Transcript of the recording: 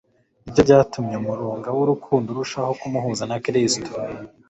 Nibyo byatumye umurunga w'urukundo urushaho kumuhuza na Kristo,